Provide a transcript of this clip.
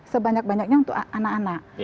sebanyak banyaknya untuk anak anak